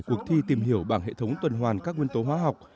cuộc thi tìm hiểu bảng hệ thống tuần hoàn các nguyên tố khoa học